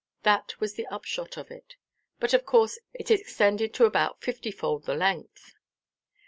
That was the upshot of it; but of course it extended to about fifty–fold the length.